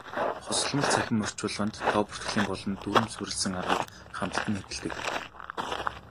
Хосолмол цахим орчуулгад тоо бүртгэлийн болон дүрэм суурилсан аргыг хамтад нь хэрэглэдэг.